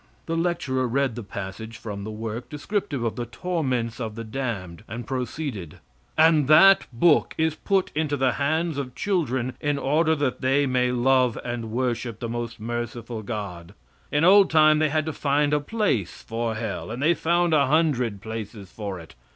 [The lecturer read the passage from the work descriptive of the torments of the damned, and proceeded:] And that book is put into the hands of children in order that they may love and worship the most merciful God. In old time they had to find a place for hell and they found a hundred places for it.